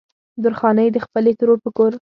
درخانۍ د خپلې ترور په کور